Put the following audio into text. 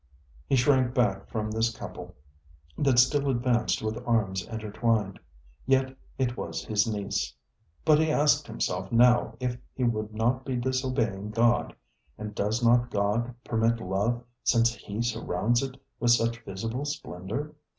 ŌĆØ He shrank back from this couple that still advanced with arms intertwined. Yet it was his niece. But he asked himself now if he would not be disobeying God. And does not God permit love, since He surrounds it with such visible splendor?